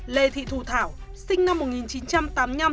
lê thị thu thảo sinh năm một nghìn chín trăm tám mươi năm